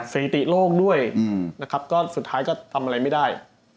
สีอิติโลกด้วยสุดท้ายก็ทำอะไรไม่ได้